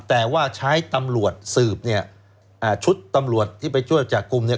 แต่ว่าใช้ตำรวจสืบเนี่ยอ่าชุดตำรวจที่ไปช่วยจับกลุ่มเนี่ย